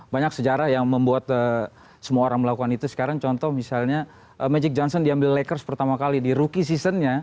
banyak sejarah yang membuat semua orang melakukan itu sekarang contoh misalnya magic johnson diambil lakers pertama kali di rookie seasonnya